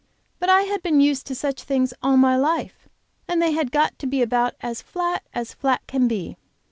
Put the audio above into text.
But I had been used to such things all my life, and they had got to be about as flat as flat can be.